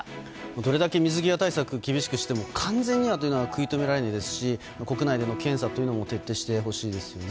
どれだけ水際対策厳しくしても完全には食い止められないですし国内での検査というのも徹底してほしいですよね。